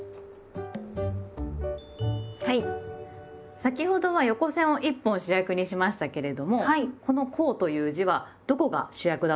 先ほどは横線を１本主役にしましたけれどもこの「香」という字はどこが主役だと思いますか？